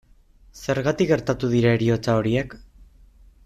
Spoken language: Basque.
Zergatik gertatu dira heriotza horiek?